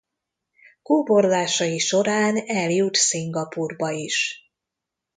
Kóborlásai során eljut Szingapúrba is.